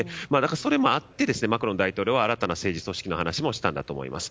それもあって、マクロン大統領は新たな政治組織の話もしたんだと思います。